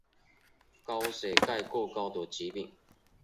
高血钙过高的疾病。